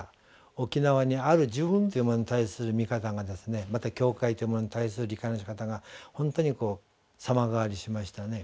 沖縄にある自分というものに対する見方がまた教会というものに対する理解のしかたがほんとに様変わりしましたね。